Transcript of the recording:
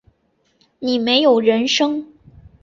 你没有人生